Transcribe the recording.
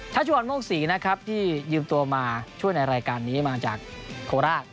ชุวรโมกศรีนะครับที่ยืมตัวมาช่วยในรายการนี้มาจากโคราช